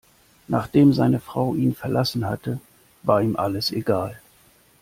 Nachdem seine Frau ihn verlassen hatte, war ihm alles egal.